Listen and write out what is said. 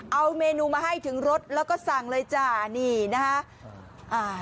เอาเมนูมาให้ถึงรสแล้วก็สั่งเลยจ้านี่นะฮะอ่า